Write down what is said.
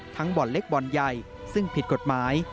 บ่อนเล็กบ่อนใหญ่ซึ่งผิดกฎหมาย